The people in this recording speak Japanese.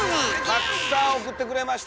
たくさん送ってくれました。